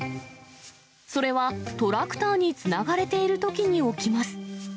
それは、トラクターにつながれているときに起きます。